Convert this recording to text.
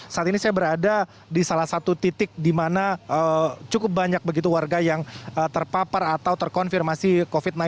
saat ini saya berada di salah satu titik di mana cukup banyak begitu warga yang terpapar atau terkonfirmasi covid sembilan belas